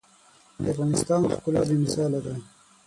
د افغانستان ښکلا بې مثاله ده.